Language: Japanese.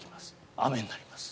雨になります。